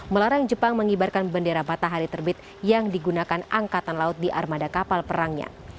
melarang jepang mengibarkan bendera matahari terbit yang digunakan angkatan laut di armada kapal perangnya